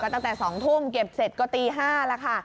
ตั้งแต่๒ทุ่มเก็บเสร็จก็ตี๕แล้วค่ะ